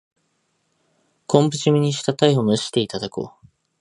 昆布じめにしたタイを蒸していただこう。